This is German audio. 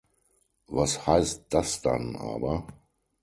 Was heißt das dann aber?